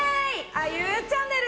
アユチャンネル！！